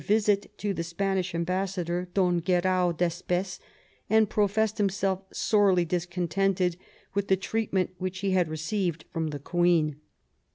143 visit to the Spanish ambassador, Don Guerau d'Espes, and professed himself sorely discontented with the treatment which he had received from the Queen.